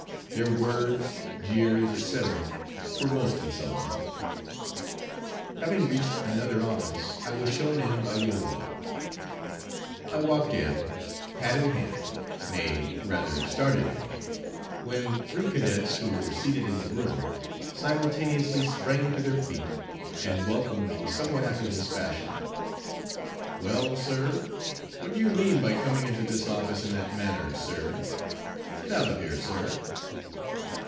Their words, jeers, etc., were most insulting. Having reached another office, I was shown in by the orderly. I walked in, hat in hand nay, rather started in when three cadets, who were seated in the room, simultaneously sprang to their feet, and welcomed me somewhat after this fashion: "Well, sir, what do you mean by coming into this office in that manner, sir? Get out of here, sir."